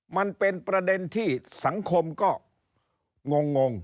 มันเป็นประเด็นที่สังคมก็งง